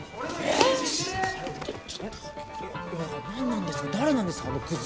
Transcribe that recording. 何なんですか誰なんですかあのクズ。